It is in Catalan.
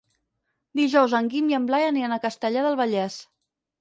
Dijous en Guim i en Blai aniran a Castellar del Vallès.